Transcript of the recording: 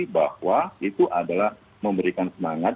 bahwa itu adalah memberikan semangat